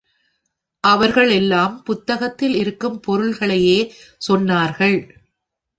அவர்கள் எல்லாம் புத்தகத்தில் இருக்கும் பொருள்களையே சொன்னார்கள்.